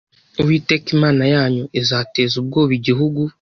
Uwiteka Imana yanyu izateza ubwoba igihugu